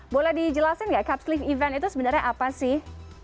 boleh dijelasin nggak cutslift event itu sebenarnya apa sih